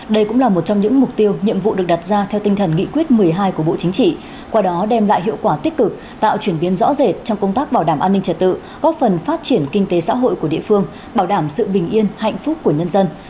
đây cũng là một trong những mục tiêu nhiệm vụ được đặt ra theo tinh thần nghị quyết một mươi hai của bộ chính trị qua đó đem lại hiệu quả tích cực tạo chuyển biến rõ rệt trong công tác bảo đảm an ninh trật tự góp phần phát triển kinh tế xã hội của địa phương bảo đảm sự bình yên hạnh phúc của nhân dân